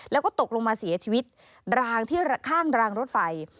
แล้วก็ตกลงมาเสียชีวิตรางที่ข้างรางรถไฟ